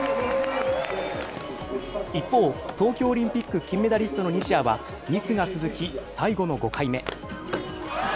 一方、東京オリンピック金メダリストの西矢はミスが続き、最後の５回目。